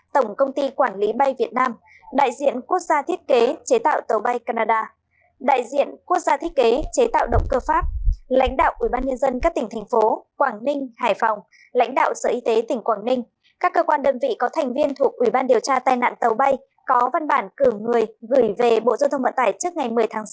tổng công ty quản lý bay việt nam đại diện quốc gia thiết kế chế tạo tàu bay canada đại diện quốc gia thiết kế chế tạo động cơ pháp lãnh đạo ủy ban nhân dân các tỉnh thành phố quảng ninh hải phòng lãnh đạo sở y tế tỉnh quảng ninh các cơ quan đơn vị có thành viên thuộc ủy ban điều tra tai nạn tàu bay có văn bản cử người gửi về bộ dân thông bản tải trước ngày một mươi tháng sáu năm hai nghìn hai mươi ba